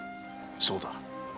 そうだ。